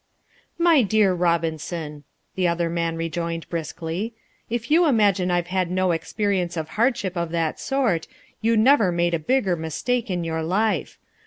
"My dear Robinson," the other man rejoined briskly, "if you imagine I've had no experience of hardship of that sort, you never made a bigger mistake in your life.